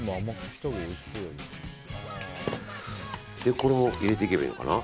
これも入れていけばいいのかな。